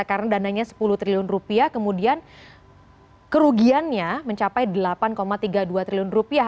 karena dananya sepuluh triliun rupiah kemudian kerugiannya mencapai delapan tiga puluh dua triliun rupiah